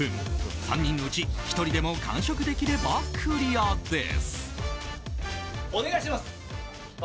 ３人のうち１人でも完食できればクリアです。